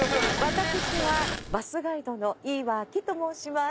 私はバスガイドの井脇と申します。